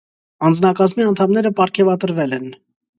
Անձնակազմի անդամները պարգևատրվել են։